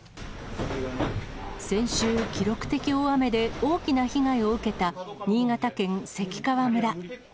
先週、記録的大雨で大きな被害を受けた新潟県関川村。